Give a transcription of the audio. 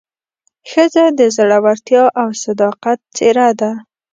ښځه د زړورتیا او صداقت څېره ده.